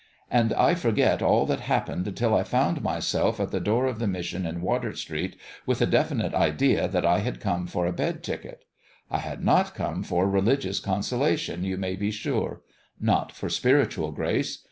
And I forget all that happened until I found myself at the door of the mission in Water Street with the definite idea that I had come for a bed ticket. I had not come for religious con solation, you may be sure not for spiritual grace.